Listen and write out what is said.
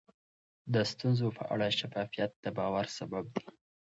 د ستونزو په اړه شفافیت د باور سبب دی.